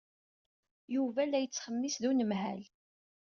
Yuba la yettxemmis d unemhal.